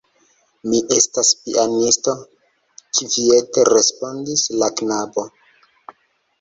Mi estas pianisto, kviete respondis la knabo.